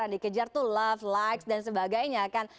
dikejar tuh love likes dan sebagainya kan